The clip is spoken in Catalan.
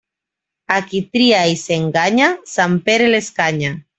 A qui tria i s'enganya, sant Pere l'escanya.